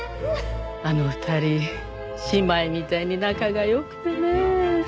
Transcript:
あの２人姉妹みたいに仲が良くてね。